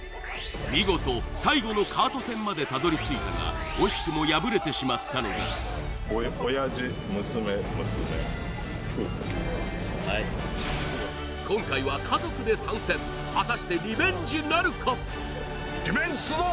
見事最後のカート戦までたどり着いたが惜しくも敗れてしまったのだ親父娘娘夫婦はい今回はリベンジするぞ！